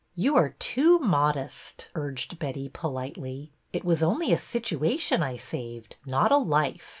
'' You are too modest," urged Betty, politely. " It was only a situation I saved, not a life.